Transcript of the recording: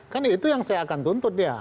kan itu yang saya akan tuntut dia